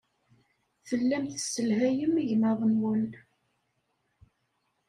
Tellam tesselhayem igmaḍ-nwen.